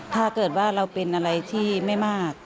ถ้าเกิดว่าเราเป็นอะไรที่ไม่มาก